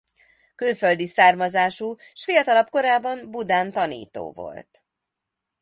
Külföldi származású s fiatalabb korában Budán tanító volt.